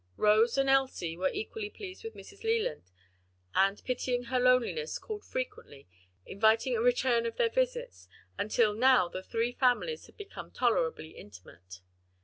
Rose and Elsie were equally pleased with Mrs. Leland, and pitying her loneliness, called frequently, inviting a return of their visits, until now the three families had become tolerably intimate.